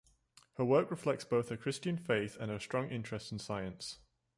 Her works reflect both her Christian faith and her strong interest in science.